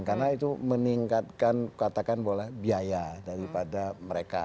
karena itu meningkatkan katakan boleh biaya daripada mereka